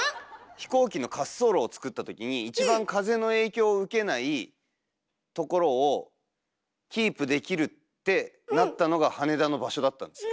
飛行機の滑走路をつくったときに一番風の影響を受けないところをキープできるってなったのが羽田の場所だったんですよ。